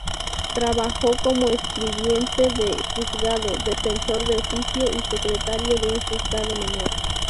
Trabajó como escribiente de juzgado, defensor de oficio y Secretario de un juzgado menor.